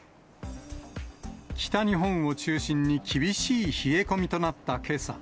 北日本を中心に厳しい冷え込みとなったけさ。